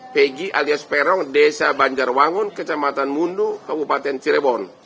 peggy alias perong desa banjarwangun kecamatan mudu kabupaten cirebon